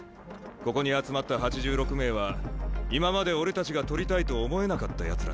ここに集まった８６名は今まで俺たちが獲りたいと思えなかったやつらなんだ。